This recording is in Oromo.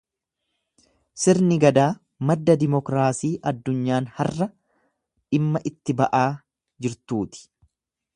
Sirni Gadaa madda Diimokiraasii Addunyaan harra dhimma itti ba'aa jirtuuti.